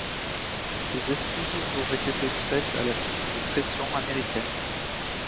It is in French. Ses excuses auraient été faites à la suite de pressions américaines.